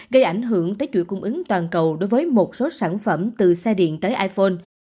gây ảnh hưởng tới chuỗi cung ứng toàn cầu đối với một số sản phẩm từ xe điện tới iphone